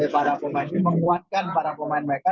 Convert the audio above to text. para pemain menguatkan para pemain mereka